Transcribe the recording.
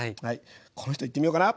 この人いってみようかな。